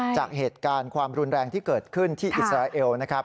จากเหตุการณ์ความรุนแรงที่เกิดขึ้นที่อิสราเอลนะครับ